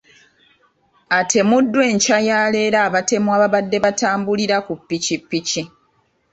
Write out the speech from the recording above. Atemuddwa enkya ya leero abatemu ababadde batambulira ku ppikipiki .